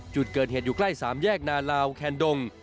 จุดเกิดเหตุอยู่ใกล้๓แยกนาลาวแคนดง